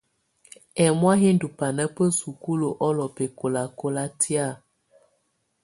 Ɛmɔ̀á yɛ ndù bana ba sukulu ɔlɔ bɛkɔlakɔla tɛ̀á.